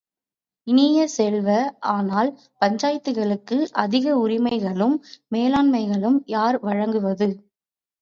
இனிய செல்வ, ஆனால் பஞ்சாயத்துகளுக்கு அதிக உரிமைகளும் மேலாண்மைகளும் யார் வழங்குவது?